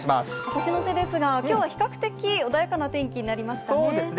年の瀬ですが、きょうは比較的穏やかな天気になりましたね。